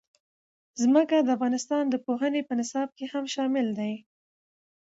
ځمکه د افغانستان د پوهنې په نصاب کې هم شامل دي.